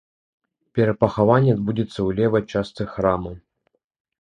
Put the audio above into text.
Перапахаванне адбудзецца ў левай частцы храма.